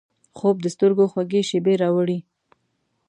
خوب د سترګو خوږې شیبې راوړي